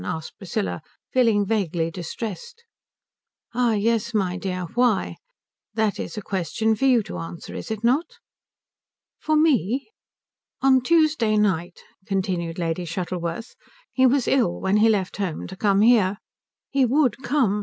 asked Priscilla, feeling vaguely distressed. "Ah yes, my dear why? That is a question for you to answer, is it not?" "For me?" "On Tuesday night," continued Lady Shuttleworth, "he was ill when he left home to come here. He would come.